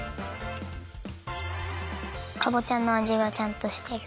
かぼちゃのあじがちゃんとしてる。